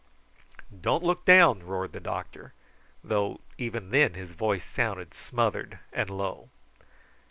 "Don't look down," roared the doctor, though even then his voice sounded smothered and low.